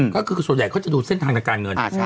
ก็คือส่วนใหญ่เขาจะดูเส้นทางทางการเงิน